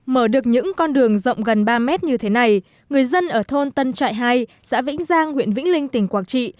mở được những con đường rộng gần ba mét như thế này người dân ở thôn tân trại hai xã vĩnh giang huyện vĩnh linh tỉnh quảng trị